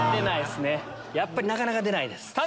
やっぱりなかなか出ないです。